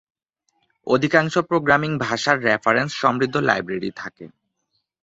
অধিকাংশ প্রোগ্রামিং ভাষার রেফারেন্স সমৃদ্ধ লাইব্রেরী থাকে।